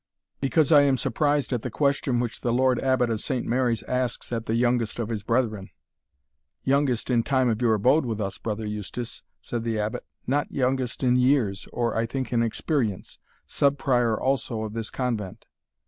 "Because I am surprised at the question which the Lord Abbot of Saint Mary's asks at the youngest of his brethren." "Youngest in time of your abode with us, Brother Eustace," said the Abbot, "not youngest in years, or I think in experience. Sub Prior also of this convent."